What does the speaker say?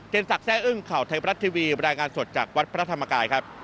สักแซ่อึ้งข่าวไทยบรัฐทีวีบรรยายงานสดจากวัดพระธรรมกายครับ